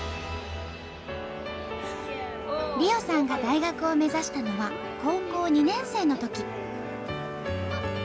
莉緒さんが大学を目指したのは高校２年生のとき。